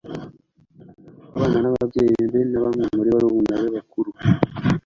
kubana nababyeyi be na bamwe muri barumuna be bakuru